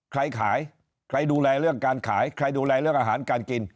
ใครขายใครดูแลเรื่องการขายใครดูแลเรื่องอาหารการกิน